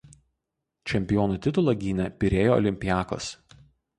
Čempionų titulą gynė „Pirėjo Olympiacos“.